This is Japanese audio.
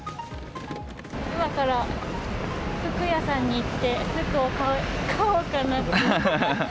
今から服屋さんに行って、服を買おうかなって。